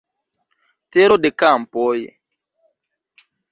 Tero de Kampoj.